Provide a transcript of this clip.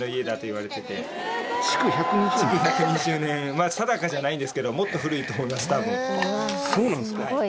まあ定かじゃないんですけどもっと古いと思います多分。